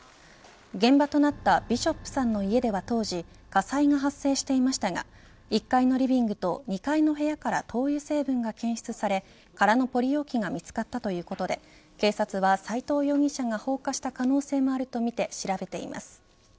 現場となったビショップさんの家では当時火災が発生していましたが１階のリビングと２階の部屋から灯油成分が検出され空のポリ容器が見つかったということで警察は斎藤容疑者が放火した可能性もあるとみて調べています。